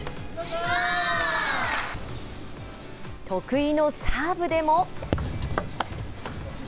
得意のサーブでも。